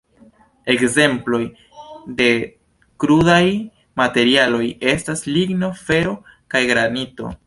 Ekzemploj de krudaj materialoj estas ligno, fero kaj granito.